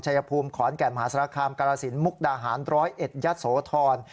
ชายภูมิขอนแก่นมหาสารคามกรสินมุกดาหาร๑๐๑ยะโสธร